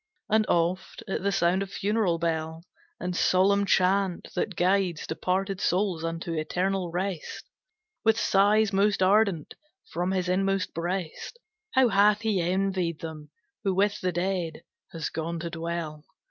And oft, at sound of funeral bell, And solemn chant, that guides Departed souls unto eternal rest, With sighs most ardent from his inmost breast, How hath he envied him, Who with the dead has gone to dwell!